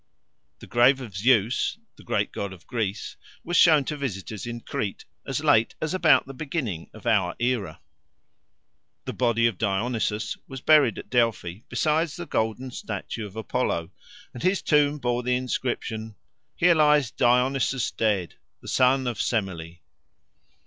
The grave of Zeus, the great god of Greece, was shown to visitors in Crete as late as about the beginning of our era. The body of Dionysus was buried at Delphi beside the golden statue of Apollo, and his tomb bore the inscription, "Here lies Dionysus dead, the son of Semele."